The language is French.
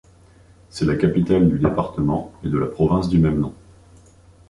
C'est la capitale du département et de la province du même nom.